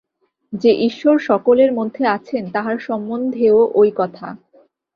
যে ঈশ্বর সকলের মধ্যে আছেন, তাঁহার সম্বন্ধেও ঐ কথা।